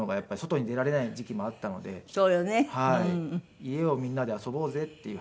家をみんなで遊ぼうぜっていう話をして。